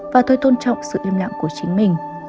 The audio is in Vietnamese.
và tôi tôn trọng sự im lặng của chính mình